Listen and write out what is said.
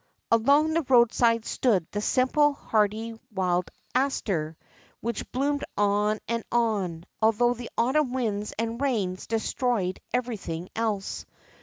Along the roadside stood the simple, hardy wild aster, which blossomed on and on, although the autumn winds and rains destroyed everything else.